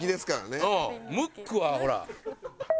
ムックはほら。